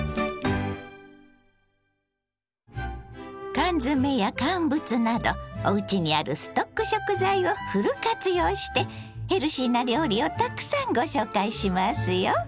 缶詰や乾物などおうちにあるストック食材をフル活用してヘルシーな料理をたくさんご紹介しますよ。